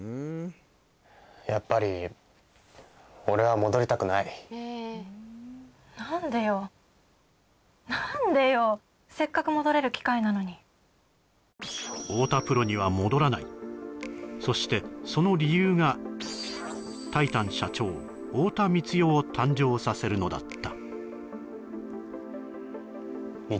やっぱり何でよ何でよせっかく戻れる機会なのにそしてその理由がタイタン社長・太田光代を誕生させるのだった